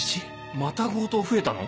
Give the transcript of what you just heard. また強盗増えたの？